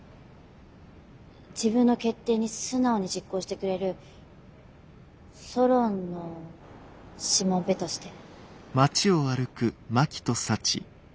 自分の決定に素直に実行してくれるソロンのしもべとして。